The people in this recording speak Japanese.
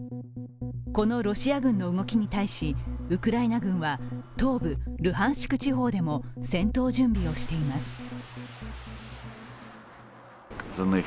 このロシア軍の動きに対し、ウクライナ軍は東部ルハンシク地方でも戦闘準備をしています。